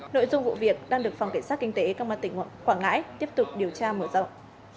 nội dung vụ việc đang được phòng cảnh sát kinh tế công an tỉnh quảng ngãi tiếp tục điều tra mở rộng